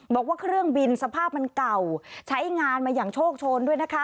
บอกว่าเครื่องบินสภาพมันเก่าใช้งานมาอย่างโชคโชนด้วยนะคะ